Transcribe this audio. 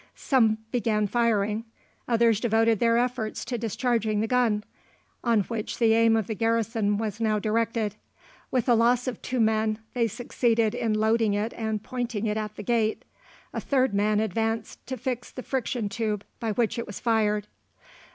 Some began firing; others devoted their efforts to discharging the gun, on which the aim of the garrison was now directed. With a loss of two men they succeeded in loading it and pointing it at the gate. A third man advanced to fix the friction tube by which it was fired.